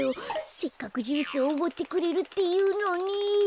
せっかくジュースをおごってくれるっていうのに。